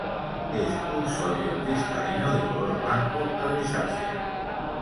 Es un sólido cristalino de color blanco a grisáceo.